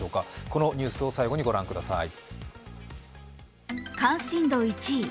このニュースを最後に御覧ください。